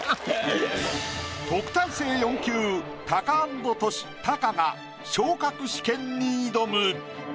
特待生４級タカアンドトシタカが昇格試験に挑む。